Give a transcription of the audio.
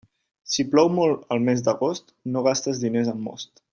Si plou molt al mes d'agost, no gastes diners en most.